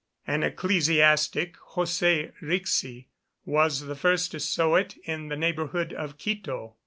An ecclesiastic, Jose Rixi, was the first to sow it in the neighbourhood of Quito.